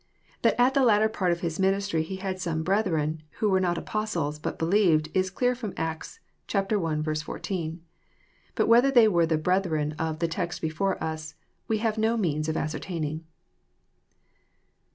That at the latter part of His ministry He had some " brethren who were not Apostles, but believed, is clear from Acts i. 14. But whether they were the brethren" of Uie text before us, we have no means of ascertaining.